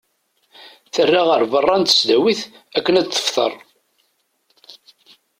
Terra ɣer berra n tesdawit akken ad tefḍer.